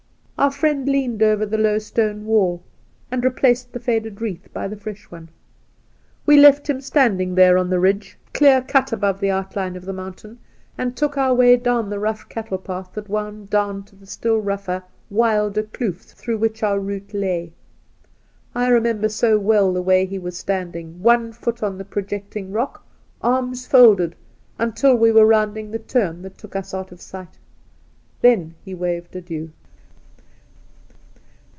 ' Our friend leaned over the low stone wall and replaced the faded wreath by the fresh one. ' We left him standing there on the ridge, clear 26 The Outspan cut above the outline of the mountain, and took our way down the rough cattle path that wound down to the still rougher, wilder kloof through which our route lay. I remember so well the way he was standing, one foot on a projecting rock, arms folded, until we were rounding the turn that took us out of sight. Then he waved adieu.